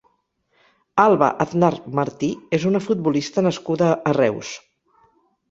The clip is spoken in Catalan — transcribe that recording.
Alba Aznar Martí és una futbolista nascuda a Reus.